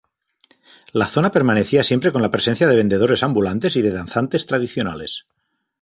La zona permanecía siempre con la presencia de vendedores ambulantes y de danzantes tradicionales.